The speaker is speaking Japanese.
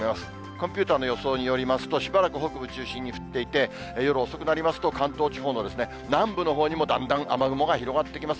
コンピューターの予想を見ますと、しばらく、北部中心に降っていて、夜遅くなりますと、関東地方の南部のほうにもだんだん雨雲が広がってきます。